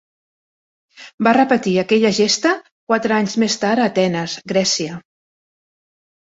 Va repetir aquella gesta quatre anys més tard a Atenes, Grècia.